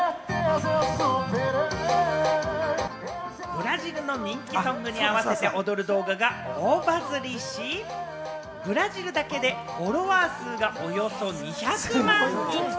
ブラジルの人気ソングに合わせて踊る動画が大バズりし、ブラジルだけでフォロワー数がおよそ２００万人。